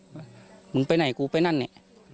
เมื่อเดี๋ยวนี้ไปไหนผมก็จะไปด้านนั้นเนี่ย